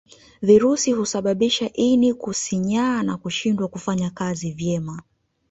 Virusi husababisha ini kusinyaa na kushindwa kufanya kazi vyema